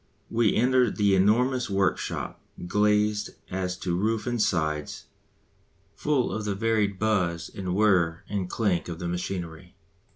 We enter the enormous workshop, glazed as to roof and sides, full of the varied buzz and whirr and clank of the machinery.